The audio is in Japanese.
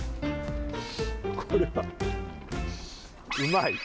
これは、うまい！